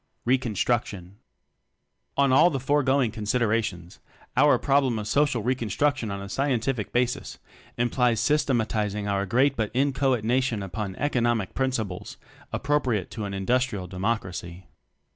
"Reconstruction." On all the foregoing considerations, our problem of "Social Reconstruc tion" on a scientific basis implies sys tematizing our great but inchoate Na tion upon economic principles appro priate to an Industrial Democracy.